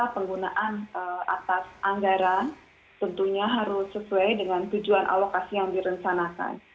penggunaan atas anggaran tentunya harus sesuai dengan tujuan alokasi yang direncanakan